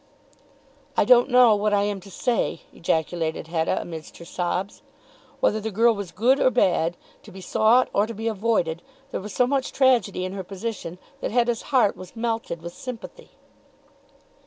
"I don't know what I am to say," ejaculated Hetta amidst her sobs. Whether the girl was good or bad, to be sought or to be avoided, there was so much tragedy in her position that Hetta's heart was melted with sympathy.